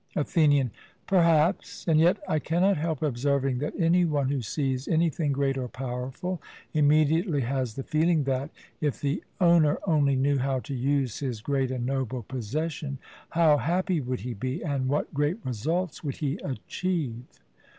ATHENIAN: Perhaps; and yet I cannot help observing that any one who sees anything great or powerful, immediately has the feeling that 'If the owner only knew how to use his great and noble possession, how happy would he be, and what great results would he achieve!'